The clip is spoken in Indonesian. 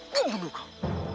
aku bunuh kamu